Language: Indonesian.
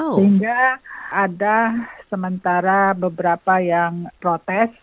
sehingga ada sementara beberapa yang protes